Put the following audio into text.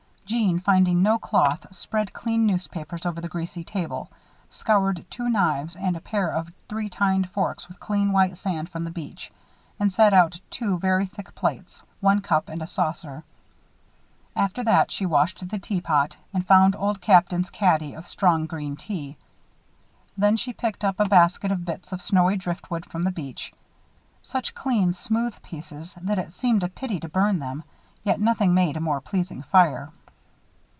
Jeanne, finding no cloth, spread clean newspapers over the greasy table, scoured two knives and a pair of three tined forks with clean white sand from the beach, and set out two very thick plates, one cup and a saucer. After that, she washed the teapot and found Old Captain's caddy of strong green tea. Then she picked up a basket of bits of snowy driftwood from the beach such clean, smooth pieces that it seemed a pity to burn them, yet nothing made a more pleasing fire.